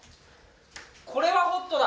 これはホットだ。